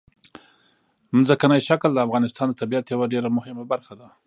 ځمکنی شکل د افغانستان د طبیعت یوه ډېره مهمه برخه ده.